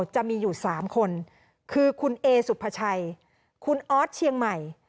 จะมีอยู่๓คนคือคุณเอสุภาชัยคุณออสเชียงใหม่